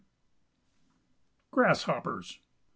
GRASSHOPPERS.